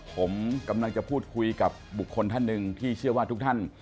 ผมกำลังจะพูดคุยกับบุคคลท่านหนึ่งที่เชื่อว่าทุกท่าน